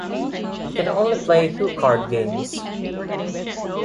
It can only play HuCard games.